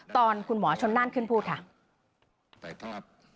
ตอนคุณหมอชนนั่นขึ้นพูดค่ะ